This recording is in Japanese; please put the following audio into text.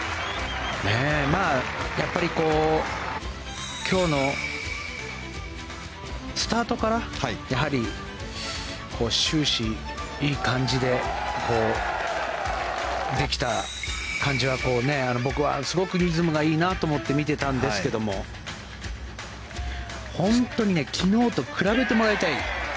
やっぱり今日のスタートからやはり終始いい感じでできた感じは僕はすごくリズムがいいなと思って見てたんですけど本当に昨日と比べてもらいたい。